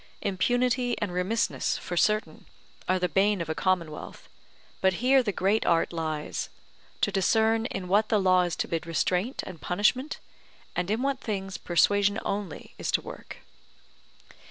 Impunity and remissness, for certain, are the bane of a commonwealth; but here the great art lies, to discern in what the law is to bid restraint and punishment, and in what things persuasion only is to work.